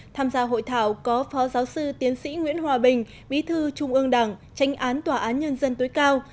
tham gia hội thảo có phó giáo sư tiến sĩ nguyễn hòa bình bí thư trung ương đảng tranh án tòa án nhân dân tối cao